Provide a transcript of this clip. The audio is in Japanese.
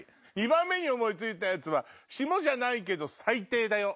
２番目に思い付いたやつはシモじゃないけど最低だよ。